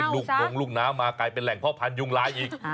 ลงลูกน้ำมากลายเป็นแหล่งพ่อพันธุยุงลายอีก